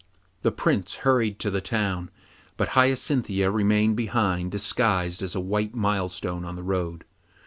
The Prince hurried to the town, but Hyacinthia remained behind disguised as a white milestone on the road.